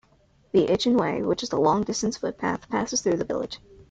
The Itchen Way, which is a long-distance footpath, passes through the village.